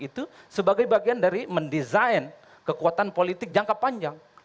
itu sebagai bagian dari mendesain kekuatan politik jangka panjang